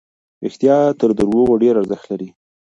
رښتیا تر درواغو ډېر ارزښت لري.